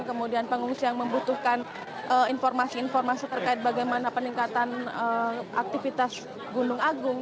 kemudian pengungsi yang membutuhkan informasi informasi terkait bagaimana peningkatan aktivitas gunung agung